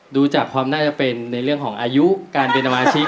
ดูจากความน่าจะเป็นในเรื่องของอายุการเป็นสมาชิก